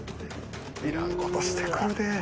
いらんことしてくるで。